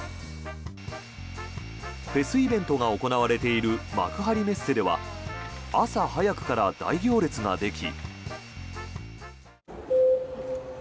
フェスイベントが行われている幕張メッセでは朝早くから大行列ができ。